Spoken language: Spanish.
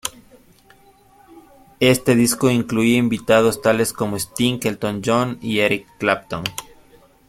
Este disco incluía invitados tales como Sting, Elton John y Eric Clapton.